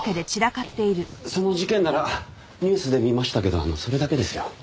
その事件ならニュースで見ましたけどそれだけですよ。